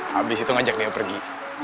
habis itu ngajak dia pergi